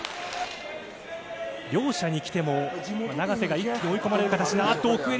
両者にきても、永瀬が一気に追い込まれる形に。